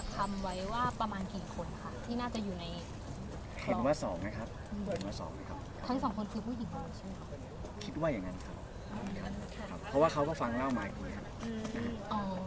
คิดว่าอย่างนั้นครับครับครับเพราะว่าเขาก็ฟังเล่ามาอีกนิดนึงอืมอ๋อ